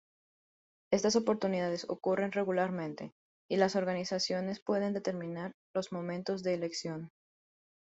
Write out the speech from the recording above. Estas oportunidades ocurren regularmente y las organizaciones pueden determinar los momentos de elección.